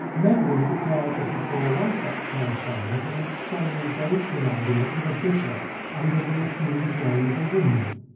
Medwin declares that he saw one such correspondence in which Shelley engaged in argument with a bishop "under the assumed name of a woman."